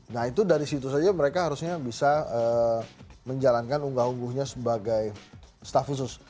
nah itu dari situ saja mereka harusnya bisa menjalankan unggah ungguhnya sebagai staff khusus